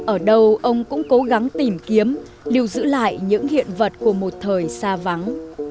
ở đâu ông cũng cố gắng tìm kiếm lưu giữ lại những hiện vật của một thời xa vắng